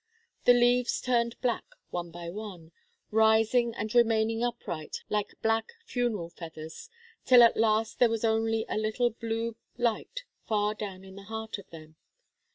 The leaves turned black, one by one, rising and remaining upright like black funeral feathers, till at last there was only a little blue light far down in the heart of them.